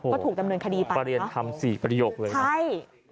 ก็ถูกดำเนินคดีไปใช่หรือเปล่าประเด็นทำสี่ประโยคเลย